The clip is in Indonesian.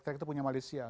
track itu punya malaysia